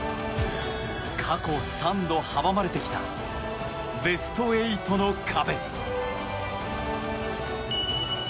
過去３度、阻まれてきたベスト８の壁。